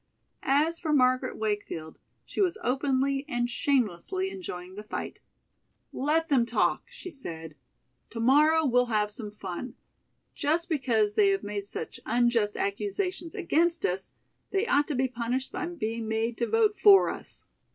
As for Margaret Wakefield, she was openly and shamelessly enjoying the fight. "Let them talk," she said. "To morrow we'll have some fun. Just because they have made such unjust accusations against us they ought to be punished by being made to vote for us."